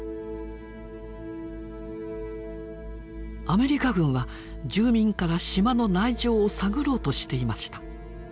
アメリカ軍は住民から島の内情を探ろうとしていました。